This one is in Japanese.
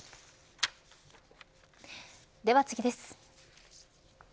では次です。